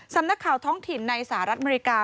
สำนักข่าวท้องถิ่นในสหรัฐอเมริกา